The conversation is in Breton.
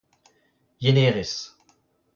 yenerez